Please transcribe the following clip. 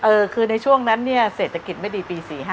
คือในช่วงนั้นเนี่ยเศรษฐกิจไม่ดีปี๔๕